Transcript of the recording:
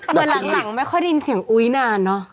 เหมือนหลังไม่ค่อยได้ยินเสียงอุ๊ยนานเนอะ